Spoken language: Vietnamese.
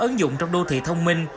ứng dụng trong đô thị thông minh